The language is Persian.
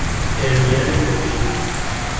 پرمین نوین